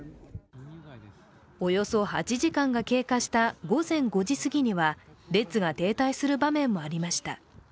およそ８時間が経過した午前５時すぎには列が停滞する場面もありました。